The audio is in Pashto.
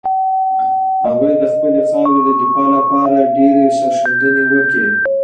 هغوی د خپلې خاورې د دفاع لپاره ډېرې سرښندنې وکړې.